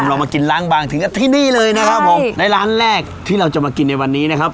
เรามากินล้างบางถึงกับที่นี่เลยนะครับผมในร้านแรกที่เราจะมากินในวันนี้นะครับ